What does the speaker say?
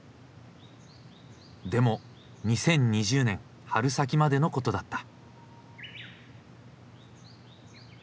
でも２０２０年春先までのことだった。